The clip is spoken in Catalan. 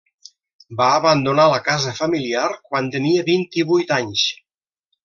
Va abandonar la casa familiar quan tenia vint-i-vuit anys.